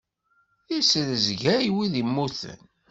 Isrezgay wid immuten.